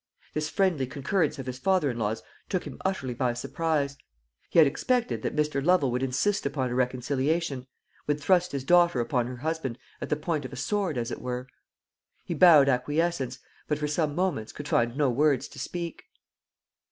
This friendly concurrence of his father in law's took him utterly by surprise. He had expected that Mr. Lovel would insist upon a reconciliation, would thrust his daughter upon her husband at the point of the sword, as it were. He bowed acquiescence, but for some moments could find no words to speak.